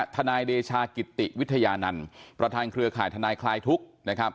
ทนายเดชากิติวิทยานันต์ประธานเครือข่ายทนายคลายทุกข์นะครับ